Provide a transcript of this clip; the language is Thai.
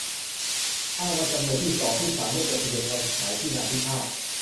อ้างว่าจำเลยที่สอง ที่สาม ได้จดทะเบียนโอนขายที่นาพิพาท